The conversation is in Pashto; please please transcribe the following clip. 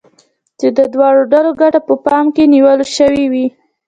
چې د دواړو ډلو ګټه په پام کې نيول شوې وي.